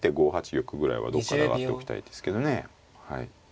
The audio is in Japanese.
玉ぐらいはどっかで上がっておきたいですけどね。